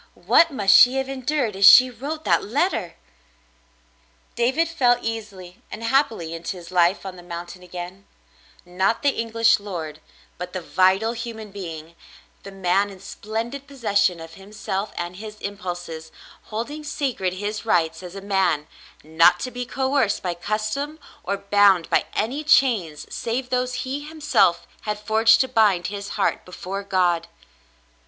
What must she have endured as she wrote that letter ! David fell easily and happily into his life on the moun tain again — not the English lord, but the vital, human being, the man in splendid possession of himself and his impulses, holding sacred his rights as a man, not to be coerced by custom or bound by any chains save those he himself had forged to bind his heart before God.